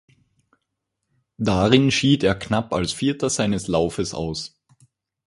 Darin schied er knapp als Vierter seines Laufes aus.